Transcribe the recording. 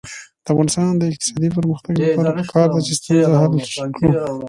د افغانستان د اقتصادي پرمختګ لپاره پکار ده چې ستونزه حل کړو.